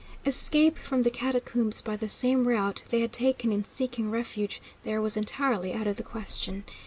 Escape from the catacomb by the same route they had taken in seeking refuge there was entirely out of the question.